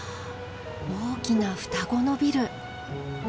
大きな双子のビル。